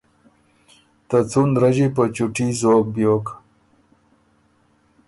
ته څُون رݫی په چُوټي زوک بیوک۔